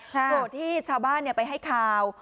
โกรธที่ชาวบ้านไปให้ข่าว